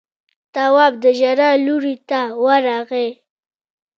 تواب د ژړا لورې ته ورغی.